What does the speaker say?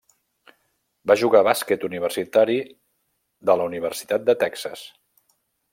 Va jugar bàsquet universitari de la Universitat de Texas.